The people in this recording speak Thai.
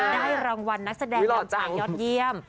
ได้รางวัลนักแสดงนำชายยอดเยี่ยม